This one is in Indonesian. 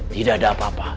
tidak ada apa apa